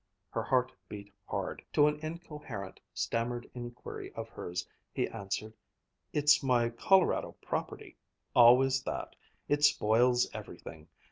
Her heart beat hard. To an incoherent, stammered inquiry of hers, he answered, "It's my Colorado property always that. It spoils everything.